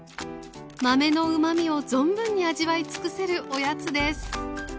豆のうまみを存分に味わいつくせるおやつです。